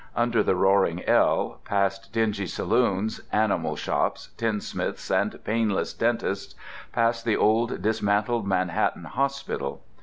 Under the roaring L, past dingy saloons, animal shops, tinsmiths, and painless dentists, past the old dismantled Manhattan hospital.